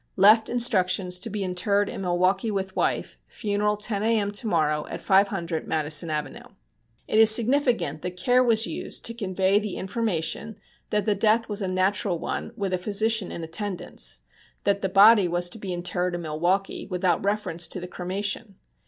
Left instructions to be interred in Milwaukee with wife. Funeral 10 A. M. to morrow at 500 Madison Avenue. It is significant that care was used to convey the information that the death was a natural one with a physician in attendance; that the body was to be interred in Milwaukee, without reference to the cremation.